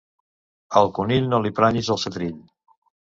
Al conill no li planyis el setrill.